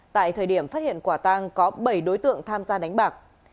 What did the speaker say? tại thời điểm phát hiện quả tang có bảy đối tượng tham gia đánh bạc